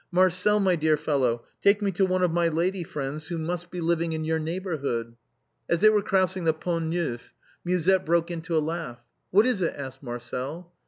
Marcel, my dear fellow, take me to one of my lady friends, wlio must be living in your neigh borhood." As they were crossing the Pont Neuf Musette broke into a laugh. " What is it? " asked Marcel.